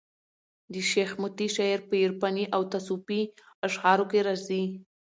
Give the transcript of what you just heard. د شېخ متي شعر په عرفاني او تصوفي اشعارو کښي راځي.